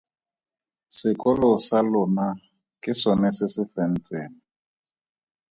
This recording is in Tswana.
Sekolo sa lona ke sona se se fentseng.